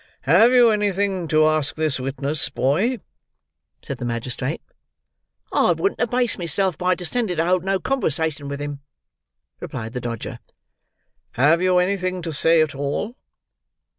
"Have you anything to ask this witness, boy?" said the magistrate. "I wouldn't abase myself by descending to hold no conversation with him," replied the Dodger. "Have you anything to say at all?"